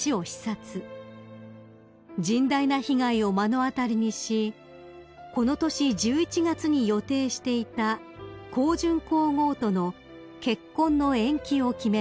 ［甚大な被害を目の当たりにしこの年１１月に予定していた香淳皇后との結婚の延期を決めました］